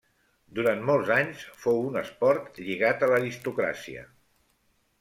Durant molts anys fou un esport lligat a l'aristocràcia.